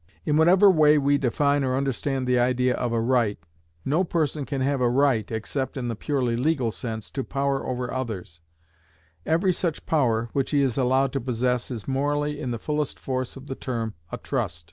In whatever way we define or understand the idea of a right, no person can have a right (except in the purely legal sense) to power over others: every such power, which he is allowed to possess is morally, in the fullest force of the term, a trust.